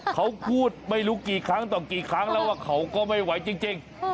เขาพูดไม่รู้กี่ครั้งต่อกี่ครั้งแล้วว่าเขาก็ไม่ไหวจริง